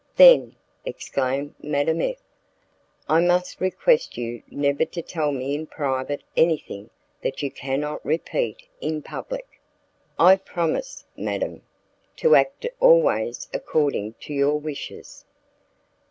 "Then," exclaimed Madame F , "I must request you never to tell me in private anything that you cannot repeat in public." "I promise, madam, to act always according to your wishes."